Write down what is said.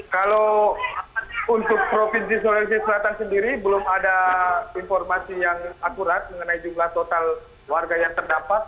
kalau untuk provinsi sulawesi selatan sendiri belum ada informasi yang akurat mengenai jumlah total warga yang terdapat